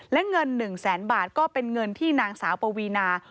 และเงิน๑แสนบาทก็เป็นเงินที่นางสาวปวีนา